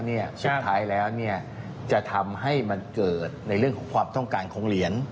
สุดท้ายแล้วจะทำให้มันเกิดในเรื่องของความต้องการของเหรียญ